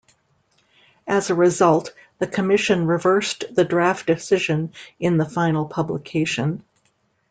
As a result, the commission reversed the draft decision in the final publication.